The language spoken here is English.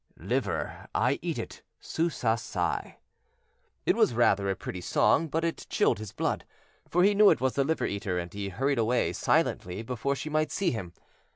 Liver, I eat it. Su' sa' sai'. It was rather a pretty song, but it chilled his blood, for he knew it was the liver eater, and he hurried away, silently, before she might see him.